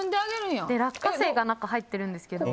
落花生が中に入ってるんですけど。